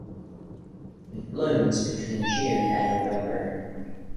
It blooms between June and November.